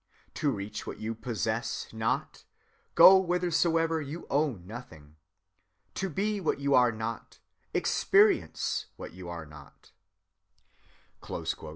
"To reach what you possess not, go whithersoever you own nothing. "To be what you are not, experience what you are not."